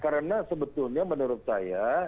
karena sebetulnya menurut saya